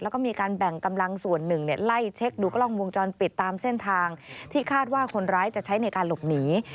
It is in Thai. แล้วก็มีการแบ่งกำลังส่วนหนึ่งไล่เช็คดูกล้องวงจรปิดตามเส้นทางที่คาดว่าคนร้ายจะใช้ในการหลบหนี